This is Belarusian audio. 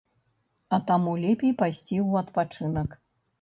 А таму лепей пайсці ў адпачынак.